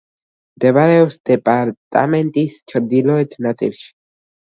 მდებარეობს დეპარტამენტის ჩრდილოეთ ნაწილში.